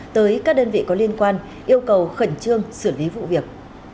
tới các đơn vị có liên quan yêu cầu khẩn trương xử lý vụ việc